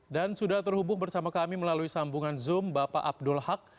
dan sudah terhubung bersama kami melalui sambungan zoom bapak abdul haq